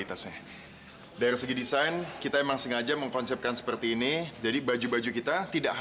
ya udah nggak apa apa kok